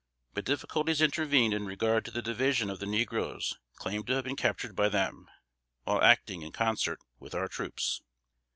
But difficulties intervened in regard to the division of the negroes claimed to have been captured by them, while acting in concert with our troops.